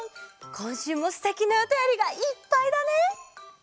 こんしゅうもすてきなおたよりがいっぱいだね。